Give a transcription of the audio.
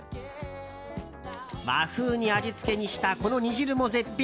和風に味付けにしたこの煮汁も絶品。